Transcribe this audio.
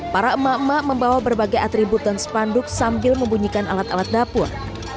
para emak emak membawa berbagai atribut dan spanduk sambil membunyikan alat alat dapur